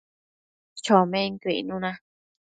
chomenquio icnuna